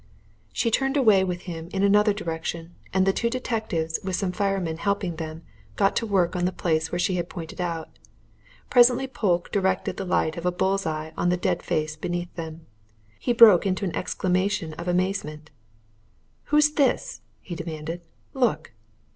She turned away with him in another direction, and the two detectives, with some of the firemen helping them, got to work on the place which she had pointed out. Presently Polke directed the light of a bulls' eye on the dead face beneath them. He broke into an exclamation of amazement. "Who's this?" he demanded. "Look!"